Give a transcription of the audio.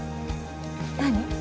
何？